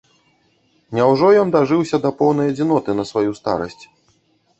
Няўжо ён дажыўся да поўнай адзіноты на сваю старасць?